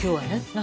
何？